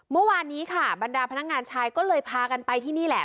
เมื่อวานนี้ค่ะบรรดาพนักงานชายก็เลยพากันไปที่นี่แหละ